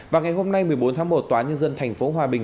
và ngày hôm nay một mươi bốn tháng một tòa nhân dân tp đà nẵng